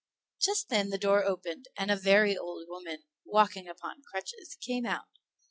Just then the door opened, and a very old woman, walking upon crutches, came out.